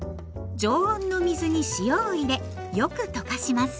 常温の水に塩を入れよく溶かします。